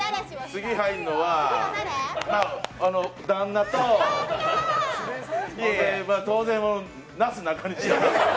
次入るのは、旦那と当然、なすなかにし。